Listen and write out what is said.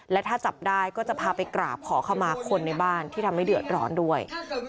และถ้าจับได้ก็จะพาไปกราบขอเข้ามาคนในบ้านที่ทำให้เดือดร้อนด้วย